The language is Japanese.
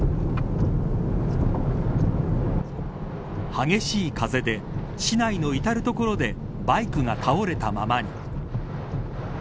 激しい風で市内の至る所でバイクが倒れたままに。